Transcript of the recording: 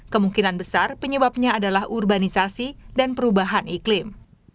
kemungkinan besar penyebabnya adalah urbanisasi dan perubahan iklim